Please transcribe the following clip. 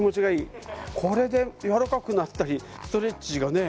これで柔らかくなったりストレッチがね